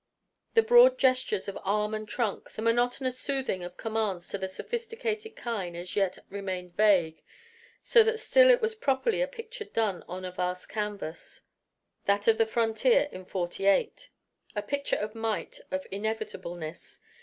The broad gestures of arm and trunk, the monotonous soothing of commands to the sophisticated kine as yet remained vague, so that still it was properly a picture done on a vast canvas that of the frontier in '48; a picture of might, of inevitableness.